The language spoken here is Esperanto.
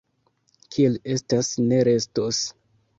Kiel estas, ne restos.